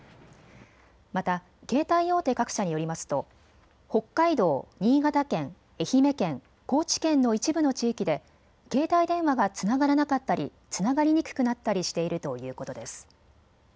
また携帯大手各社によりますと北海道、新潟県、愛媛県、高知県の一部の地域で携帯電話がつながらなかったり、つながりにくくなったりしているということです。